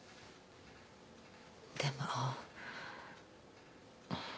でも。